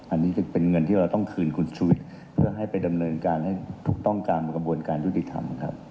อันนี้คือเป็นเงินที่เราต้องคืนคุณชุวิตเพื่อให้ไปดำเนินการให้ถูกต้องตามกระบวนการยุติธรรมครับ